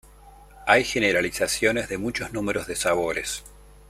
Hay generalizaciones de muchos números de sabores.